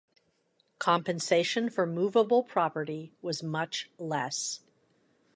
Compensation for movable property was much less.